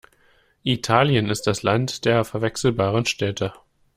Italien ist das Land der verwechselbaren Städte.